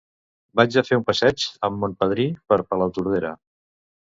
Vaig a fer un passeig amb mon padrí per Palautordera.